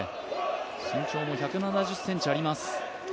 身長も１７０ｃｍあります。